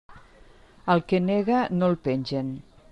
Al que nega, no el pengen.